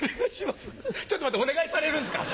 ちょっと待ってお願いされるんすか？